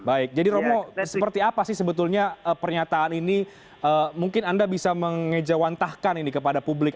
baik jadi romo seperti apa sih sebetulnya pernyataan ini mungkin anda bisa mengejawantahkan ini kepada publik